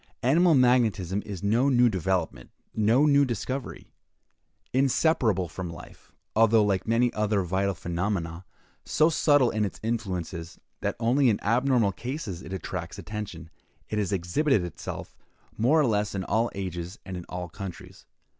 Animal magnetism is no new development, no new discovery. Inseparable from life, although, like many other vital phenomena, so subtle in its influences, that only in abnormal cases it attracts attention, it has exhibited itself more or less in all ages and in all countries.